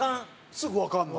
すぐわかるの？